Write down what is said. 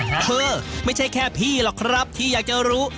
เธอไม่ใช่แค่พี่หรอกครับที่อยากจะรู้